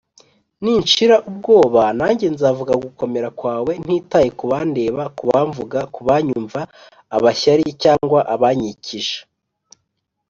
ni nshira ubwoba Nanjye nzavuga gukomera kwawe nitaye kubandeba ,kubamvuga ,kubanyumva, abashyari cyangwa abanyikije